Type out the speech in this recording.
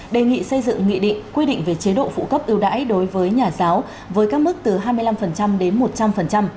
đề nghị xây dựng nghị định quy định về chế độ phụ cấp ưu đãi đối với nhà giáo với các mức từ hai mươi năm đến một trăm linh